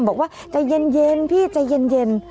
บอกว่าใจเย็นพี่ใจเย็น